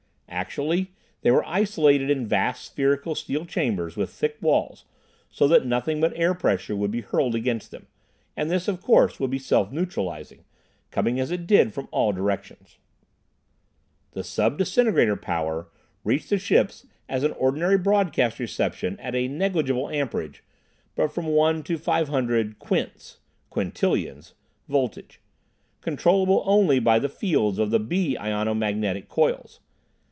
Actually, they were isolated in vast spherical steel chambers with thick walls, so that nothing but air pressure would be hurled against them, and this, of course, would be self neutralizing, coming as it did from all directions. The "sub disintegrator power" reached the ships as an ordinary broadcast reception at a negligible amperage, but from one to 500 "quints" (quintillions) voltage, controllable only by the fields of the "B" ionomagnetic coils.